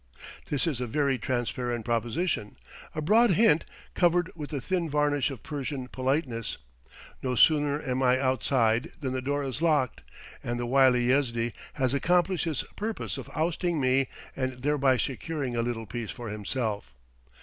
This is a very transparent proposition a broad hint, covered with the thin varnish of Persian politeness. No sooner am I outside than the door is locked, and the wily Yezdi has accomplished his purpose of ousting me and thereby securing a little peace for himself.